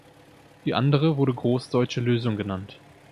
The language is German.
Die andere wurde großdeutsche Lösung genannt.